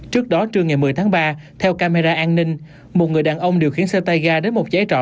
trước đó trưa ngày một mươi tháng ba theo camera an ninh một người đàn ông điều khiển xe tay ga đến một cháy trọi